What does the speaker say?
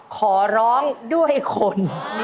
ขอร้องด้วยคน